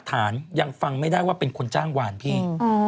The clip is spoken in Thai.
ฐานยังฟังไม่ได้ว่าเป็นคนจ้างวานพี่